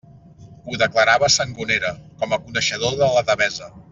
Ho declarava Sangonera, com a coneixedor de la Devesa.